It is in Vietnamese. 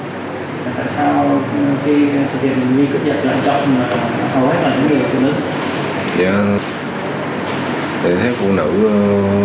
tại sao khi thực hiện nghi cấp giật lại chọn hầu hết là những người phụ nữ